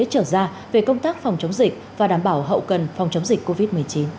trở ra về công tác phòng chống dịch và đảm bảo hậu cần phòng chống dịch covid một mươi chín